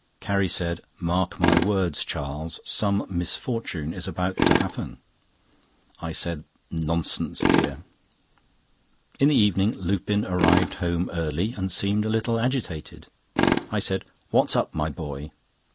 Carrie said: "Mark my words, Charles, some misfortune is about to happen." I said: "Nonsense, dear." In the evening Lupin arrived home early, and seemed a little agitated. I said: "What's up, my boy?"